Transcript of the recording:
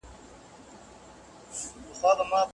که ښځې اول نمره شي نو جایزه به نه پاتې کیږي.